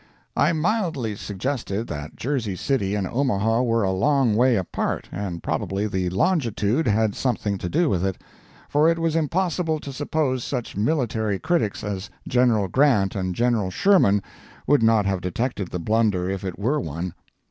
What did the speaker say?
"I mildly suggested that Jersey City and Omaha were a long way apart, and probably the longitude had something to do with it; for it was impossible to suppose such military critics as General Grant and General Sherman would not have detected the blunder if it were one.